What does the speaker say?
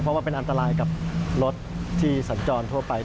เพราะว่าเป็นอันตรายกับรถที่สัญจรทั่วไป